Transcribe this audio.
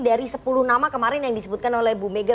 dari sepuluh nama kemarin yang disebutkan oleh bu mega